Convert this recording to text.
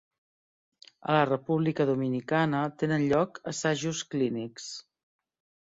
A la República Dominicana tenen lloc assajos clínics.